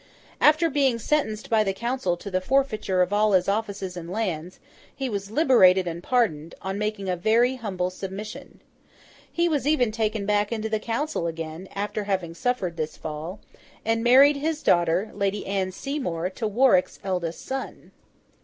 After being sentenced by the Council to the forfeiture of all his offices and lands, he was liberated and pardoned, on making a very humble submission. He was even taken back into the Council again, after having suffered this fall, and married his daughter, Lady Anne Seymour, to Warwick's eldest son.